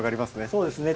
そうですね。